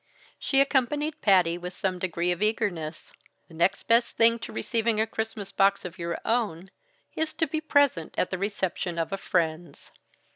She accompanied Patty with some degree of eagerness. The next best thing to receiving a Christmas box of your own, is to be present at the reception of a friend's.